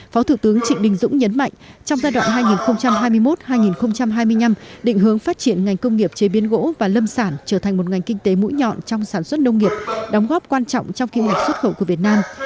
phó thủ tướng trịnh đình dũng nhấn mạnh trong giai đoạn hai nghìn hai mươi một hai nghìn hai mươi năm định hướng phát triển ngành công nghiệp chế biến gỗ và lâm sản trở thành một ngành kinh tế mũi nhọn trong sản xuất nông nghiệp đóng góp quan trọng trong kim ngạch xuất khẩu của việt nam